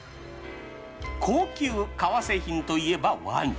高級革製品といえばワニ。